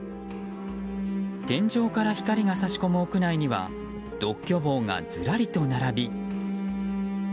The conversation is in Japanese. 天井から光が差し込む屋内には独居房がずらりと並び。